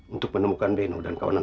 untuk menemukan deno dan kawan kawan